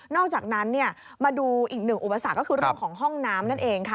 อกจากนั้นมาดูอีกหนึ่งอุปสรรคก็คือเรื่องของห้องน้ำนั่นเองค่ะ